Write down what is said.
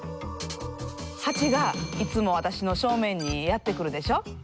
ハチがいつも私の正面にやって来るでしょ？